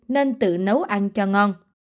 nên tự nấu ăn cho ngon